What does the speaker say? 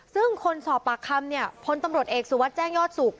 ซึ่งคนสอบปากคำเนี่ยพลตำรวจเอกสุวัสดิ์แจ้งยอดสุข